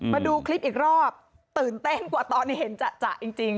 มาดูคลิปอีกรอบตื่นเต้นกว่าตอนนี้เห็นจะจริง